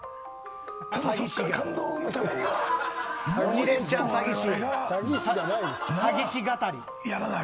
鬼レンチャン詐欺師。